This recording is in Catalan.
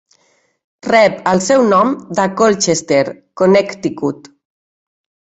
Rep el seu nom de Colchester, Connecticut.